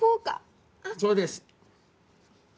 そうです。